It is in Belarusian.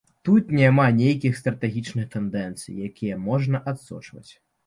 Тут няма нейкіх стратэгічных тэндэнцый, якія можна адсочваць.